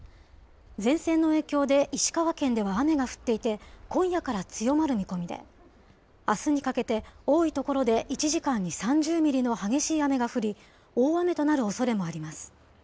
前線の影響で、石川県では雨が降っていて、今夜から強まる見込みで、あすにかけて、多い所で１時間に３０ミリの激しい雨が降り、大雨となるおそれもあります。